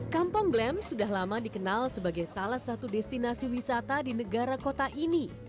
kampung glam sudah lama dikenal sebagai salah satu destinasi wisata di negara kota ini